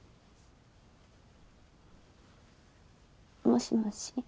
もしもし。